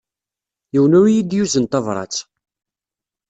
Yiwen ur yi-d-yuzen tabrat.